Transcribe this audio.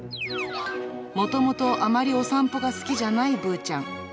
もともとあまりお散歩が好きじゃないぶーちゃん。